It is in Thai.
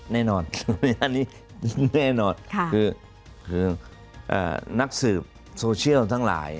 แน่นอนอันนี้แน่นอนคือนักสืบโซเชียลทั้งหลาย